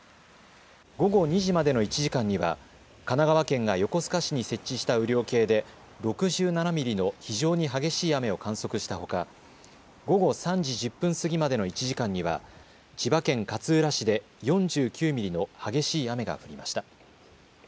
午後２時までの１時間には神奈川県が横須賀市に設置した雨量計で６７ミリの非常に激しい雨を観測したほか午後３時１０分過ぎまでの１時間には千葉県勝浦市で４９ミリの激しい雨が降りました。